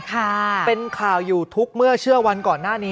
ค่ะเป็นข่าวอยู่ทุกเมื่อเชื่อวันก่อนหน้านี้